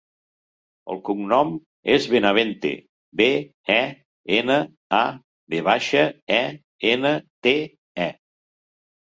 El cognom és Benavente: be, e, ena, a, ve baixa, e, ena, te, e.